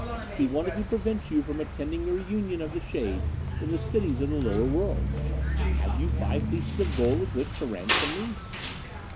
He wanted to prevent you from attending the reunion of the shades, in the cities of the lower world. Have you five pieces of gold with which to ransom me?"